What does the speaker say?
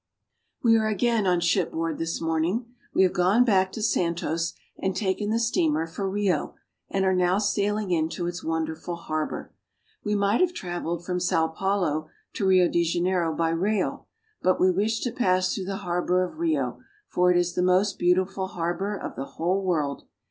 WE are again on shipboard this morning. We have gone back to Santos and taken the steamer for Rio, and are now sailing into its wonderful harbor. We might have traveled from Sao Paulo to Rio de Janeiro by rail, but we wish to pass through the harbor of Rio, for it is the most beautiful harbor of the whole world.